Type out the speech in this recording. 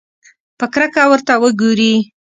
په کرکه ورته وګوري.